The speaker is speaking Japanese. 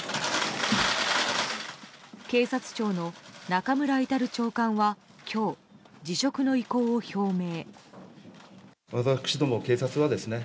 警察庁の中村格長官は今日辞職の意向を表明。